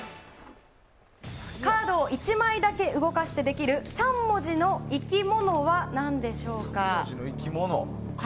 カードを１枚だけ動かしてできる３文字の生き物は何でしょうか？